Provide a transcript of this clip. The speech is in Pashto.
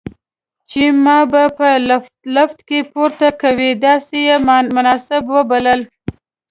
چې ما به په لفټ کې پورته کوي، داسې یې مناسب وبلله.